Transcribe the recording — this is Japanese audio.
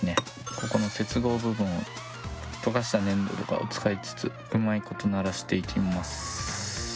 ここの接合部分を溶かした粘土とかを使いつつうまいことならしていきます。